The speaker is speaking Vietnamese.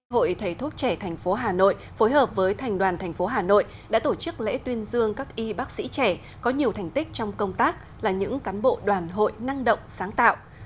hội thầy thuốc trẻ thành phố hà nội phối hợp với thành đoàn thành phố hà nội đã tổ chức lễ tuyên dương các y bác sĩ trẻ có nhiều thành tích trong công tác là những cán bộ đoàn hội năng động sáng tạo